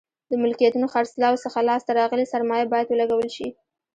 د ملکیتونو خرڅلاو څخه لاس ته راغلې سرمایه باید ولګول شي.